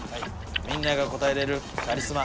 みんなが答えれるカリスマ。